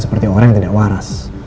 seperti orang yang tidak waras